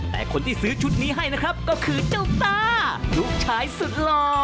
แต่คนที่ซื้อชุดนี้ให้นะครับก็คือเจ้าต้าลูกชายสุดหล่อ